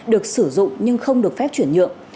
được sử dụng nhưng không được phép chuyển nhượng